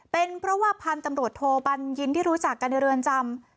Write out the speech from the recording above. เป็นเพราะว่าพันธุ์ตำรวจโทบัญญินที่รู้จักกันในเรือนจำ